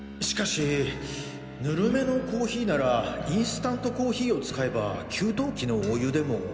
しかしぬるめのコーヒーならインスタントコーヒーを使えば給湯器のお湯でも。